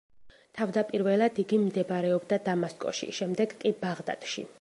თავდაპირველად იგი მდებარეობდა დამასკოში, შემდეგ კი ბაღდადში.